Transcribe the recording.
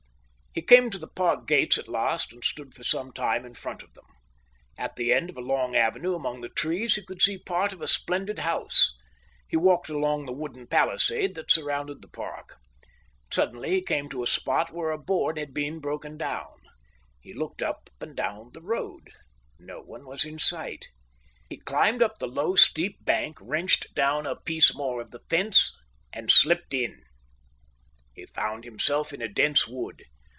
He came to the park gates at last and stood for some time in front of them. At the end of a long avenue, among the trees, he could see part of a splendid house. He walked along the wooden palisade that surrounded the park. Suddenly he came to a spot where a board had been broken down. He looked up and down the road. No one was in sight. He climbed up the low, steep bank, wrenched down a piece more of the fence, and slipped in. He found himself in a dense wood.